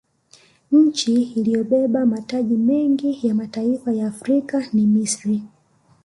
nchi iliyobeba mataji mengi ya mataifa ya afrika ni misri